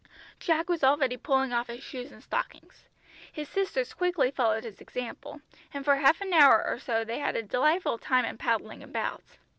Jack was already pulling off his shoes and stockings; his sisters quickly followed his example, and for half an hour or so they had a delightful time in paddling about.